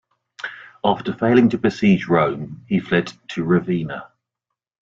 After failing to besiege Rome, he fled to Ravenna.